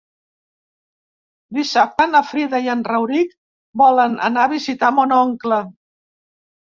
Dissabte na Frida i en Rauric volen anar a visitar mon oncle.